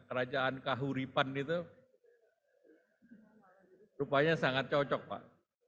kerajaan kahuripan itu rupanya sangat cocok pak